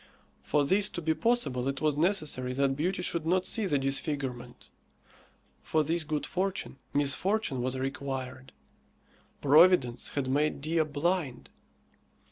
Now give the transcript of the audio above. For this to be possible it was necessary that beauty should not see the disfigurement. For this good fortune, misfortune was required. Providence had made Dea blind.